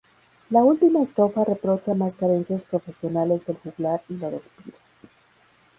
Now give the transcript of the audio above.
La última estrofa reprocha más carencias profesionales del juglar y lo despide.